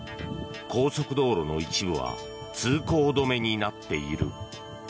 高速道路の一部は通行止めになっている。